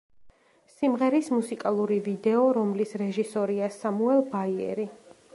სიმღერის მუსიკალური ვიდეო, რომლის რეჟისორია სამუელ ბაიერი.